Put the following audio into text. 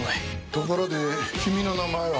ところで君の名前は？